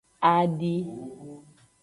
Adi.